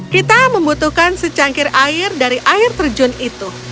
kita membutuhkan secangkir air dari air terjun itu